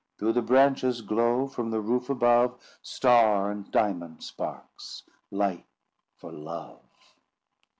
Through the branches glow, From the roof above, Star and diamond sparks Light for love."